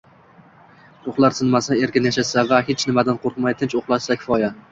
Ruhlari sinmasa, erkin yashashsa va hech nimadan qo`rqmay tinch uxlashsa kifoya